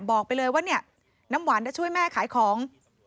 บอกไปเลยว่าเนี่ยน้ำหวานจะช่วยแม่ขายของ